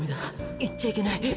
いっちゃいけない」。